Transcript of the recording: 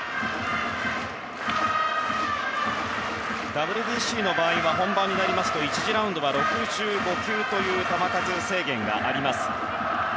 ＷＢＣの場合は本番になりますと１次ラウンドは６５球という球数制限があります。